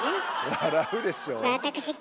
「笑うでしょ」。